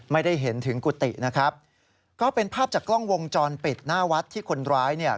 ไม่ได้เห็นถึงกุฏินะครับก็เป็นภาพจากกล้องวงจรปิดหน้าวัดที่คนร้ายเนี่ย